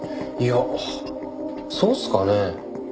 いやそうっすかね？